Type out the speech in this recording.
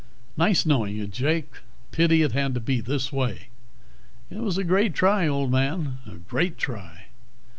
Nice knowing you, Jake. Pity it had to be this way." "It was a great try, old man. A great try."